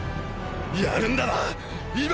やるんだな⁉今！